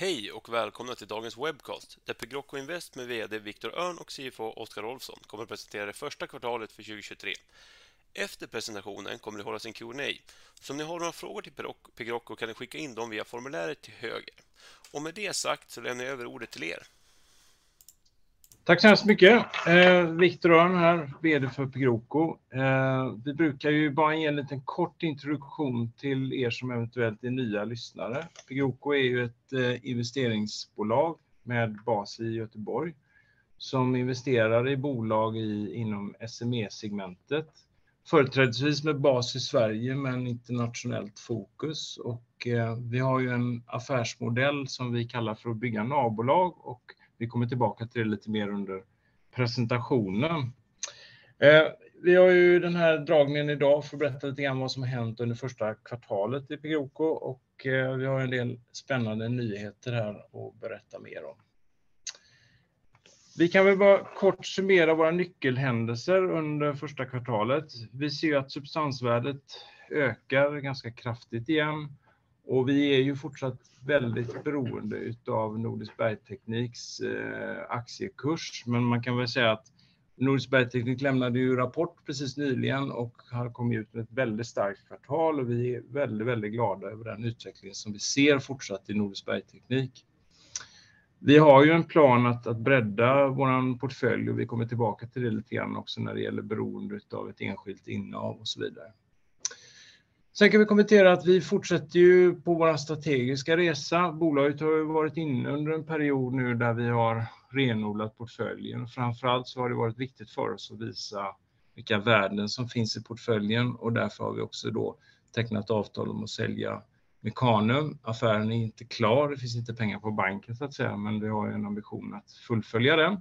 Hej och välkomna till dagens webcast, där Pegroco Invest med VD Victor Örn och CFO Oscar Rolfsson kommer att presentera det första kvartalet för 2023. Efter presentationen kommer det hållas en Q&A. Om ni har några frågor till Pegroco kan ni skicka in dem via formuläret till höger. Med det sagt lämnar jag över ordet till er. Tack så hemskt mycket. Viktor Öhrn här, CEO för Pegroco. Vi brukar ju bara ge en liten kort introduktion till er som eventuellt är nya lyssnare. Pegroco är ju ett investeringsbolag med bas i Göteborg som investerar i bolag inom SME-segmentet. Företrädesvis med bas i Sverige, men internationellt fokus. Vi har ju en affärsmodell som vi kallar för att bygga navbolag och vi kommer tillbaka till det lite mer under presentationen. Vi har ju den här dragningen i dag för att berätta lite grann vad som hänt under första kvartalet i Pegroco och vi har en del spännande nyheter här att berätta mer om. Vi kan väl bara kort summera våra nyckelhändelser under första kvartalet. Vi ser att substansvärdet ökar ganska kraftigt igen och vi är ju fortsatt väldigt beroende utav Nordisk Bergtekniks aktiekurs. Man kan väl säga att Nordisk Bergteknik lämnade ju rapport precis nyligen och har kommit ut med ett väldigt starkt kvartal och vi är väldigt glada över den utvecklingen som vi ser fortsatt i Nordisk Bergteknik. Vi har ju en plan att bredda våran portfölj och vi kommer tillbaka till det lite grann också när det gäller beroendet av ett enskilt innehav och så vidare. Vi kan kommentera att vi fortsätter ju på vår strategiska resa. Bolaget har ju varit inne under en period nu där vi har renodlat portföljen. Framför allt så har det varit viktigt för oss att visa vilka värden som finns i portföljen och därför har vi också då tecknat avtal om att sälja Mechanum. Affären är inte klar, det finns inte pengar på banken så att säga, men vi har en ambition att fullfölja den.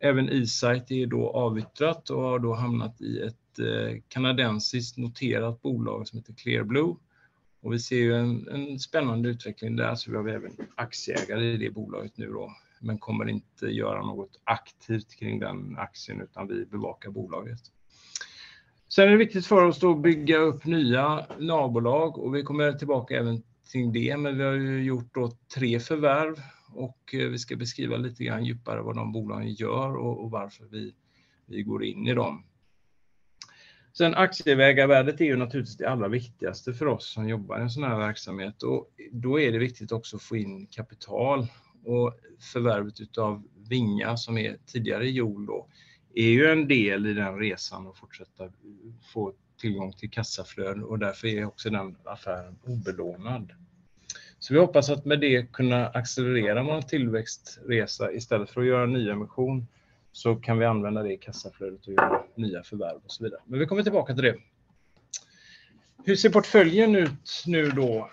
Även eSight är då avyttrat och har då hamnat i ett kanadensiskt noterat bolag som heter Clear Blue. Vi ser ju en spännande utveckling där, så vi har även aktieägare i det bolaget nu då, men kommer inte göra något aktivt kring den aktien utan vi bevakar bolaget. Är det viktigt för oss då att bygga upp nya navbolag och vi kommer tillbaka även till det, men vi har ju gjort då tre förvärv och vi ska beskriva lite grann djupare vad de bolagen gör och varför vi går in i dem. Aktieägarvärdet är ju naturligtvis det allra viktigaste för oss som jobbar i en sådan här verksamhet och då är det viktigt också att få in kapital. Förvärvet utav Vinga, som är tidigare JOOL då, är ju en del i den resan att fortsätta få tillgång till kassaflöden och därför är också den affären obelånad. Vi hoppas att med det kunna accelerera vår tillväxtresa istället för att göra nyemission så kan vi använda det kassaflödet och göra nya förvärv och så vidare. Vi kommer tillbaka till det. Hur ser portföljen ut nu då?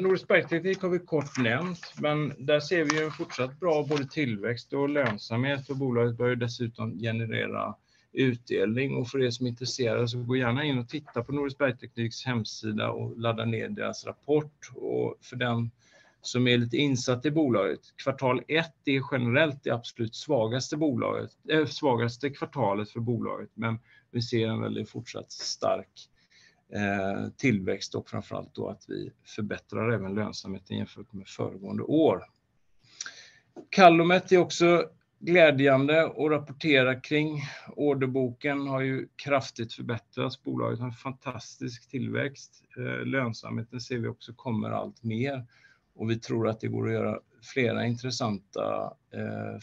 Nordisk Bergteknik har vi kort nämnt, men där ser vi ju en fortsatt bra både tillväxt och lönsamhet. Bolaget börjar dessutom generera utdelning. För er som är intresserade så gå gärna in och titta på Nordisk Bergtekniks hemsida och ladda ner deras rapport. För den som är lite insatt i bolaget, Q1 är generellt det absolut svagaste bolaget, svagaste kvartalet för bolaget, vi ser en väldigt fortsatt stark tillväxt och framför allt då att vi förbättrar även lönsamheten jämfört med föregående år. Calumet är också glädjande att rapportera kring. Orderboken har ju kraftigt förbättrats. Bolaget har en fantastisk tillväxt. Lönsamheten ser vi också kommer allt mer vi tror att det går att göra flera intressanta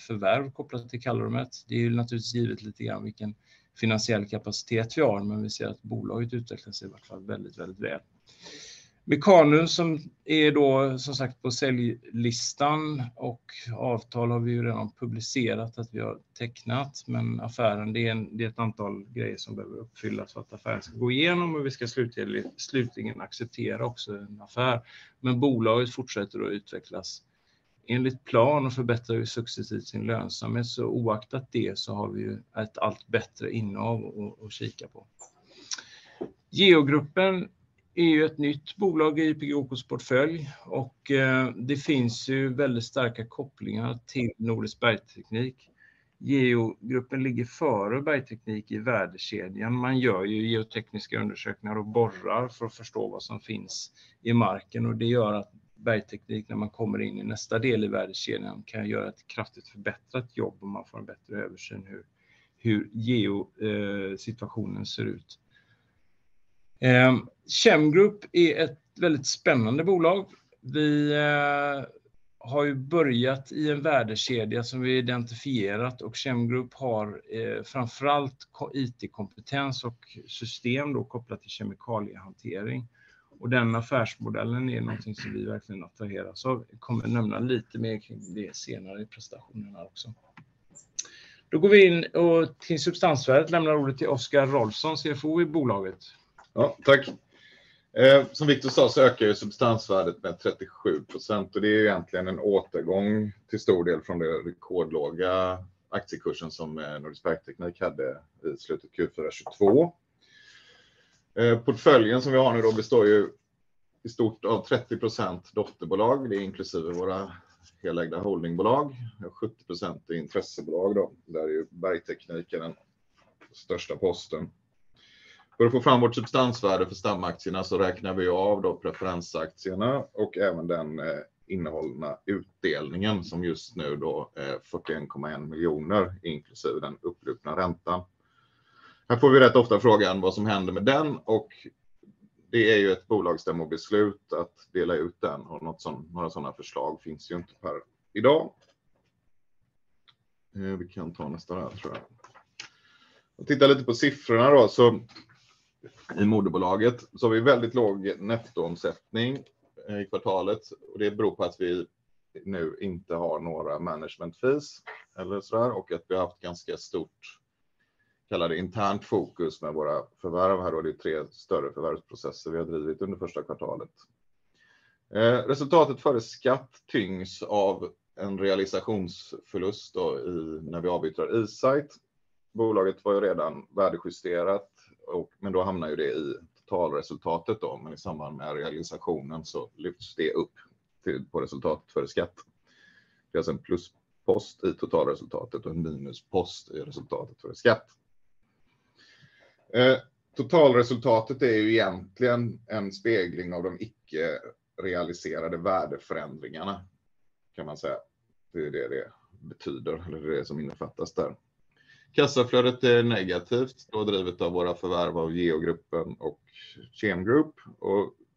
förvärv kopplat till Calumet. Det är ju naturligtvis givet lite grann vilken finansiell kapacitet vi har, vi ser att bolaget utvecklar sig i hvert fall väldigt väl. Mechanum som är då som sagt på säljlistan och avtal har vi ju redan publicerat att vi har tecknat. Affären, det är ett antal grejer som behöver uppfyllas för att affären ska gå igenom och vi ska slutligen acceptera också en affär. Bolaget fortsätter att utvecklas enligt plan och förbättrar ju successivt sin lönsamhet. Oaktat det har vi ju ett allt bättre innehav att kika på. GeoGruppen är ju ett nytt bolag i Pegroco's portfölj och det finns ju väldigt starka kopplingar till Nordisk Bergteknik. GeoGruppen ligger före Bergteknik i värdekedjan. Man gör ju geotekniska undersökningar och borrar för att förstå vad som finns i marken och det gör att Bergteknik när man kommer in i nästa del i värdekedjan kan göra ett kraftigt förbättrat jobb om man får en bättre översyn hur geo-situationen ser ut. Chemgroup är ett väldigt spännande bolag. Vi har ju börjat i en värdekedja som vi identifierat och Chemgroup har framför allt IT-kompetens och system då kopplat till kemikaliehantering. Den affärsmodellen är någonting som vi verkligen attraheras av. Kommer nämna lite mer kring det senare i presentationen här också. Går vi in till substansvärdet. Lämnar ordet till Oscar Rolfsson, CFO i bolaget. Ja, tack. Som Viktor Örn sa ökar ju substansvärdet med 37%. Det är egentligen en återgång till stor del från den rekordlåga aktiekursen som Nordisk Bergteknik hade i slutet av Q4 22. Portföljen som vi har nu då består ju i stort av 30% dotterbolag. Det är inklusive våra helägda holdingbolag. 70% är intressebolag då, där är ju Bergteknik den största posten. För att få fram vårt substansvärde för stamaktierna räknar vi av då preferensaktierna och även den innehållna utdelningen som just nu då är 41.1 million inklusive den upplupna räntan. Här får vi rätt ofta frågan vad som händer med den. Det är ju ett bolagsstämmobeslut att dela ut den. Några sådana förslag finns ju inte per i dag. Vi kan ta nästa här tror jag. Titta lite på siffrorna då så i moderbolaget så har vi väldigt låg nettoomsättning i kvartalet. Det beror på att vi nu inte har några management fees eller sådär och att vi haft ganska stort, kalla det internt fokus med våra förvärv. Här då det är 3 större förvärvsprocesser vi har drivit under första kvartalet. Resultatet före skatt tyngs av en realisationsförlust då i, när vi avyttrar eSight. Bolaget var ju redan värdejusterat och, men då hamnar ju det i totalresultatet då. I samband med realisationen så lyfts det upp till, på resultatet före skatt. Det är en pluspost i totalresultatet och en minuspost i resultatet före skatt. Totalresultatet är ju egentligen en spegling av de icke realiserade värdeförändringarna kan man säga. Det är det det betyder eller det är det som innefattas där. Kassaflödet är negativt, då drivet av våra förvärv av GeoGruppen och Chemgroup.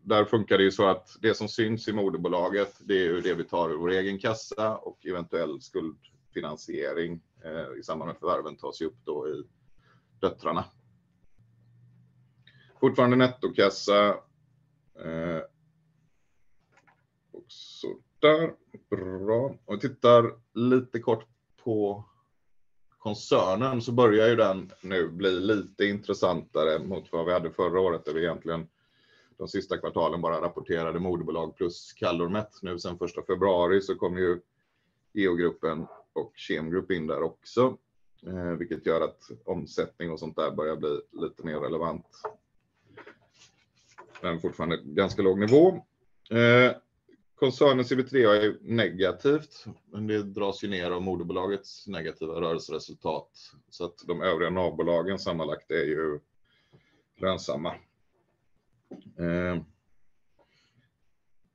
Där funkar det ju så att det som syns i moderbolaget, det är ju det vi tar ur vår egen kassa och eventuell skuldfinansiering i samband med förvärven tas ju upp då i döttrarna. Fortfarande nettokassa. Så där. Bra. Om vi tittar lite kort på koncernen så börjar ju den nu bli lite intressantare mot vad vi hade förra året där vi egentligen de sista kvartalen bara rapporterade moderbolag plus CalorMet. Nu sen 1st February så kom ju GeoGruppen och Chemgroup in där också, vilket gör att omsättning och sånt där börjar bli lite mer relevant. Men fortfarande ganska låg nivå. Koncernens EBITDA är negativt, men det dras ju ner av moderbolagets negativa rörelseresultat. De övriga navbolagen sammanlagt är ju lönsamma.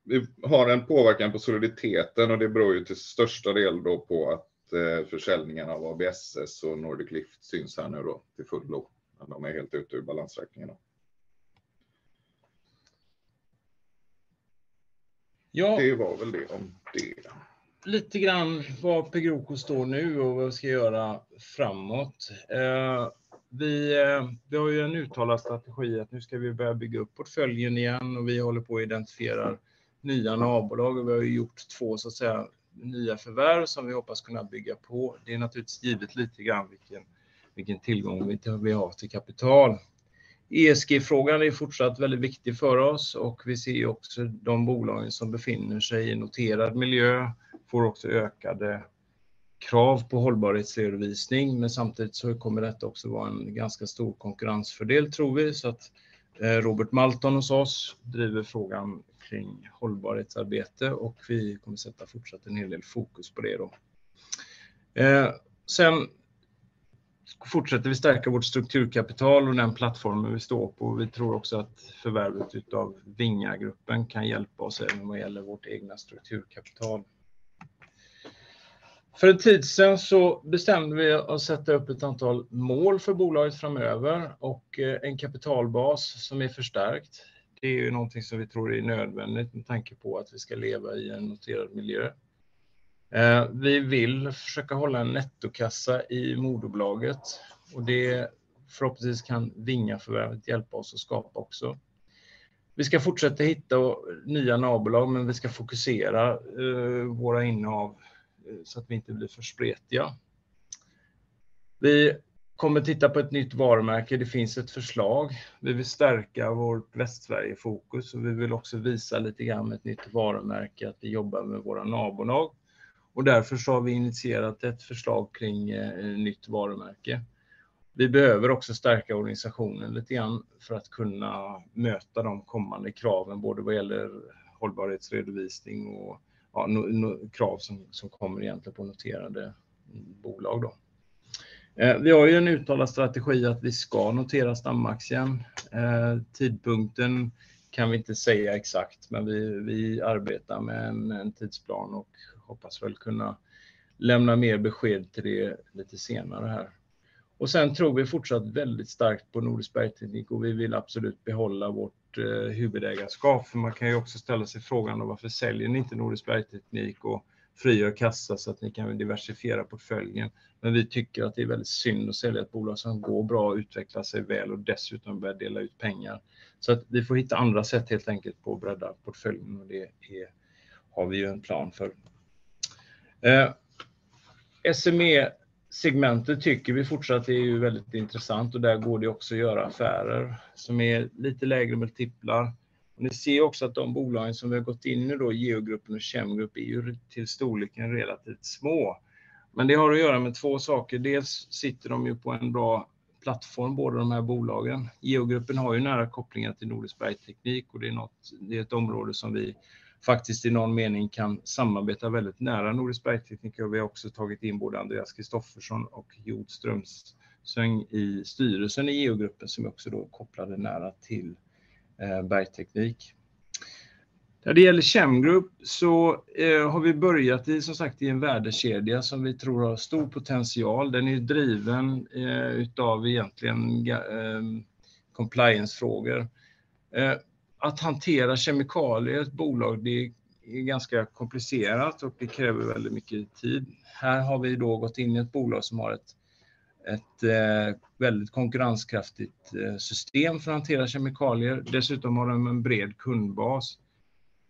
Vi har en påverkan på soliditeten och det beror ju till största del då på att försäljningen av ABSS och Nordic Lift syns här nu då till fullo. De är helt ute ur balansräkningen då. Ja. Det var väl det om det. Lite grann var Pegroco står nu och vad vi ska göra framåt. Vi har ju en uttalad strategi att nu ska vi börja bygga upp portföljen igen och vi håller på och identifierar nya navbolag. Vi har ju gjort två så att säga nya förvärv som vi hoppas kunna bygga på. Det är naturligtvis givet lite grann vilken tillgång vi har till kapital. ESG-frågan är fortsatt väldigt viktig för oss och vi ser ju också de bolagen som befinner sig i noterad miljö får också ökade krav på hållbarhetsredovisning, samtidigt kommer detta också vara en ganska stor konkurrensfördel tror vi. Robert Malton hos oss driver frågan kring hållbarhetsarbete och vi kommer sätta fortsatt en hel del fokus på det då. Sen fortsätter vi stärka vårt strukturkapital och den plattformen vi står på. Vi tror också att förvärvet utav Vinga Group kan hjälpa oss även vad gäller vårt egna strukturkapital. För en tid sedan så bestämde vi att sätta upp ett antal mål för bolaget framöver och en kapitalbas som är förstärkt. Det är ju någonting som vi tror är nödvändigt med tanke på att vi ska leva i en noterad miljö. Vi vill försöka hålla en nettokassa i moderbolaget och det förhoppningsvis kan Vinga-förvärvet hjälpa oss att skapa också. Vi ska fortsätta hitta nya navbolag, men vi ska fokusera våra innehav så att vi inte blir för spretiga. Vi kommer titta på ett nytt varumärke. Det finns ett förslag. Vi vill stärka vårt Västsverigefokus och vi vill också visa lite grann med ett nytt varumärke att vi jobbar med våra navbolag. Därför så har vi initierat ett förslag kring nytt varumärke. Vi behöver också stärka organisationen lite grann för att kunna möta de kommande kraven, både vad gäller hållbarhetsredovisning och, ja, krav som kommer egentligen på noterade bolag då. Vi har ju en uttalad strategi att vi ska notera stamaktien. Tidpunkten kan vi inte säga exakt, men vi arbetar med en tidsplan och hoppas väl kunna lämna mer besked till det lite senare här. Sen tror vi fortsatt väldigt starkt på Nordisk Bergteknik och vi vill absolut behålla vårt huvudägarskap. Man kan ju också ställa sig frågan varför säljer ni inte Nordisk Bergteknik och frigör kassa så att ni kan diversifiera portföljen. Vi tycker att det är väldigt synd att sälja ett bolag som går bra och utvecklar sig väl och dessutom börjar dela ut pengar. Vi får hitta andra sätt helt enkelt på att bredda portföljen och det har vi ju en plan för. SME-segmentet tycker vi fortsatt är ju väldigt intressant och där går det också att göra affärer som är lite lägre multiplar. Ni ser också att de bolagen som vi har gått in i då, GeoGruppen och Chemgroup, är ju till storleken relativt små. Det har att göra med två saker. Dels sitter de ju på en bra plattform, båda de här bolagen. GeoGruppen har ju nära kopplingar till Nordisk Bergteknik och det är ett område som vi faktiskt i någon mening kan samarbeta väldigt nära Nordisk Bergteknik. Vi har också tagit in både Andreas Kristoffersson och Jo Strömseng i styrelsen i GeoGruppen som också då är kopplade nära till Bergteknik. När det gäller Chemgroup så har vi börjat i, som sagt, i en värdekedia som vi tror har stor potential. Den är driven utav egentligen compliance-frågor. Att hantera kemikalier i ett bolag, det är ganska komplicerat och det kräver väldigt mycket tid. Här har vi då gått in i ett bolag som har ett väldigt konkurrenskraftigt system för att hantera kemikalier. Dessutom har de en bred kundbas.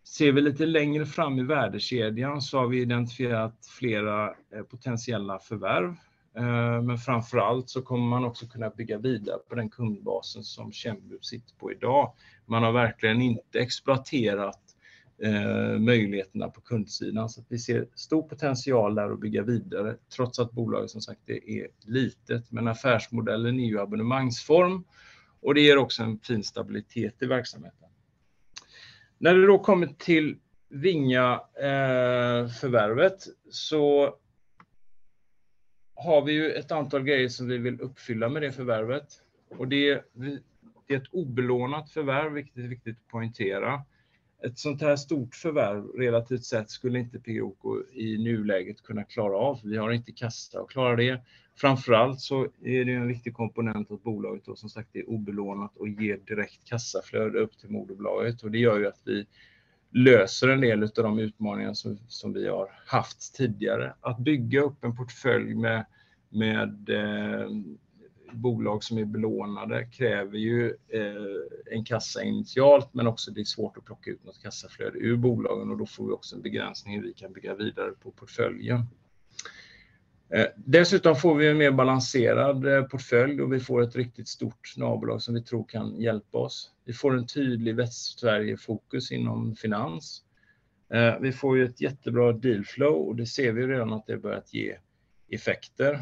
Ser vi lite längre fram i värdekedian så har vi identifierat flera potentiella förvärv. Framför allt så kommer man också kunna bygga vidare på den kundbasen som Chemgroup sitter på i dag. Man har verkligen inte exploaterat möjligheterna på kundsidan. Vi ser stor potential där att bygga vidare trots att bolaget som sagt, det är litet. Affärsmodellen är ju abonnemangsform, och det ger också en fin stabilitet i verksamheten. När det då kommer till Vinga förvärvet så har vi ju ett antal grejer som vi vill uppfylla med det förvärvet. Det är ett obelånat förvärv, vilket är viktigt att poängtera. Ett sånt här stort förvärv, relativt sett, skulle inte Pegroco i nuläget kunna klara av. Vi har inte kassa att klara det. Det är en viktig komponent åt bolaget då som sagt, det är obelånat och ger direkt kassaflöde upp till moderbolaget. Det gör ju att vi löser en del utav de utmaningarna som vi har haft tidigare. Att bygga upp en portfölj med bolag som är belånade kräver en kassa initialt, men också det är svårt att plocka ut något kassaflöde ur bolagen och då får vi också en begränsning. Vi kan bygga vidare på portföljen. Dessutom får vi en mer balanserad portfölj och vi får ett riktigt stort navbolag som vi tror kan hjälpa oss. Vi får en tydlig Västsverigefokus inom finans. Vi får ett jättebra deal flow och det ser vi redan att det börjat ge effekter.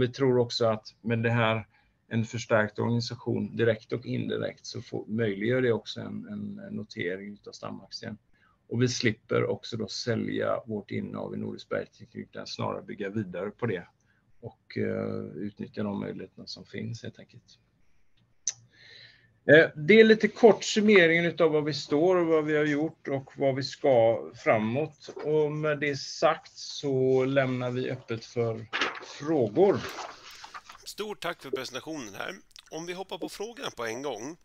Vi tror också att med det här en förstärkt organization direkt och indirekt så möjliggör det också en notering utav stamaktien. Vi slipper också då sälja vårt innehav i Nordisk Bergeteknik utan snarare bygga vidare på det och utnyttja de möjligheterna som finns helt enkelt. Det är lite kort summeringen utav var vi står och vad vi har gjort och vad vi ska framåt. Med det sagt så lämnar vi öppet för frågor. Stort tack för presentationen här. Vi hoppar på frågorna på en gång.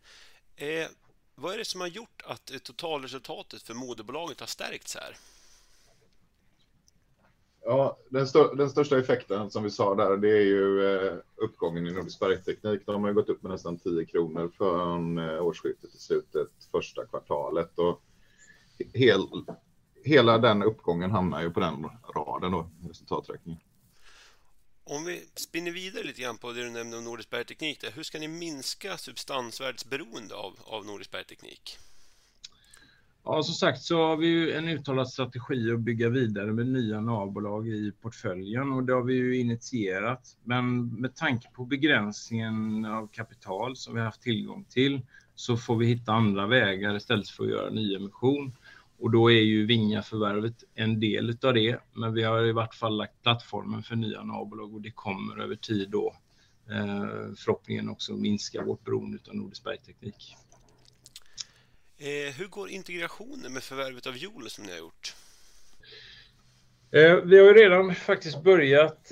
Vad är det som har gjort att totalresultatet för moderbolaget har stärkts här? Ja, den största effekten som vi sa där, det är ju uppgången i Nordisk Bergteknik. De har ju gått upp med nästan 10 kronor från årsskiftet till slutet första kvartalet. Och hela den uppgången hamnar ju på den raden då i resultaträkningen. Om vi spinner vidare lite grann på det du nämnde om Nordisk Bergeteknik där. Hur ska ni minska substansvärdsberoende av Nordisk Bergeteknik? Som sagt, så har vi ju en uttalad strategi att bygga vidare med nya navbolag i portföljen och det har vi ju initierat. Med tanke på begränsningen av kapital som vi haft tillgång till, så får vi hitta andra vägar istället för att göra nyemission. Då är ju Vinga-förvärvet en del utav det. Vi har i vart fall lagt plattformen för nya navbolag och det kommer över tid då, förhoppningsvis också minska vårt beroende utav Nordisk Bergeteknik. Hur går integrationen med förvärvet av Jol som ni har gjort? Vi har ju redan faktiskt börjat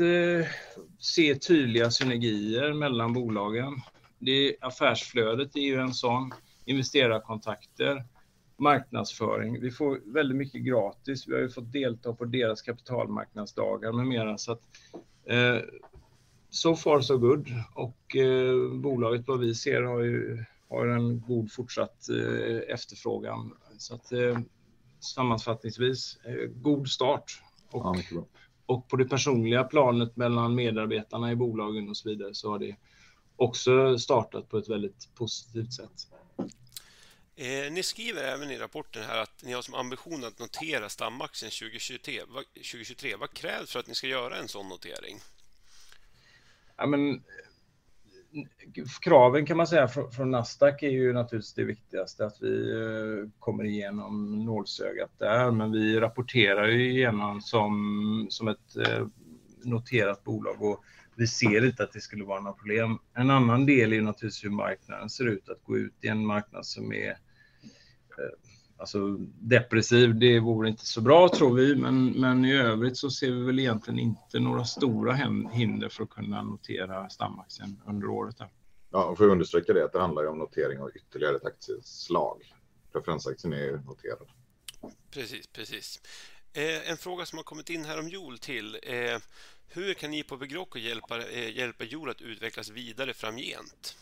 se tydliga synergier mellan bolagen. Det affärsflödet är ju en sådan, investerarkontakter, marknadsföring. Vi får väldigt mycket gratis. Vi har ju fått delta på deras kapitalmarknadsdagar med mera. so far so good. Och bolaget vad vi ser har en god fortsatt efterfrågan. Sammanfattningsvis, god start. Ja, mycket bra. På det personliga planet mellan medarbetarna i bolagen och så vidare så har det också startat på ett väldigt positivt sätt. Ni skriver även i rapporten här att ni har som ambition att notera stamaktien 2023. Vad krävs för att ni ska göra en sådan notering? Kraven kan man säga från Nasdaq är ju naturligtvis det viktigaste att vi kommer igenom nålsögat där. Vi rapporterar ju igenom som ett noterat bolag och vi ser inte att det skulle vara något problem. En annan del är ju naturligtvis hur marknaden ser ut. Att gå ut i en marknad som är, alltså depressiv. Det vore inte så bra tror vi, men i övrigt så ser vi väl egentligen inte några stora hinder för att kunna notera stamaktien under året där. Ja, får jag understryka det, att det handlar ju om notering av ytterligare ett aktieslag. Preferensaktien är ju noterad. Precis, precis. En fråga som har kommit in här om JOOL till. Hur kan ni på Pegroco hjälpa JOOL att utvecklas vidare framgent?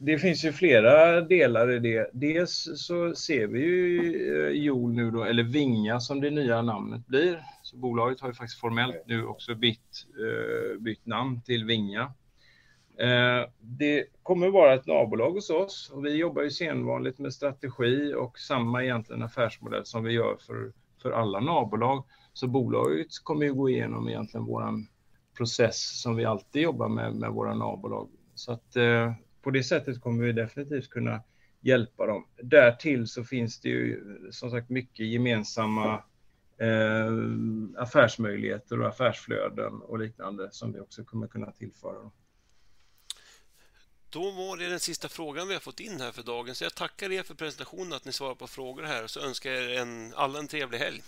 Det finns ju flera delar i det. Dels så ser vi ju JOOL nu då, eller Vinga som det nya namnet blir. Bolaget har ju faktiskt formellt nu också bytt namn till Vinga. Det kommer vara ett navbolag hos oss och vi jobbar ju sedvanligt med strategi och samma egentligen affärsmodell som vi gör för alla navbolag. Bolaget kommer ju gå igenom egentligen vår process som vi alltid jobbar med våra navbolag. På det sättet kommer vi definitivt kunna hjälpa dem. Därtill finns det ju som sagt mycket gemensamma affärsmöjligheter och affärsflöden och liknande som vi också kommer kunna tillföra dem. Var det den sista frågan vi har fått in här för dagen. Jag tackar er för presentationen att ni svarar på frågor här och så önskar jag er alla en trevlig helg.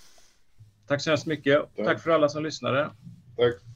Tack så hemskt mycket. Tack för alla som lyssnade. Tack.